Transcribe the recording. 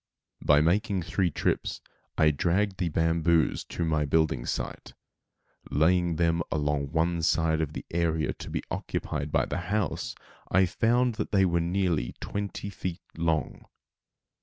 By making three trips I dragged the bamboos to my building site. Laying them along one side of the area to be occupied by the house, I found that they were nearly twenty feet long.